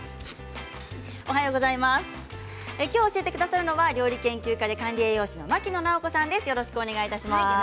今日、教えてくださるのは料理研究家で管理栄養士の牧野直子さんです。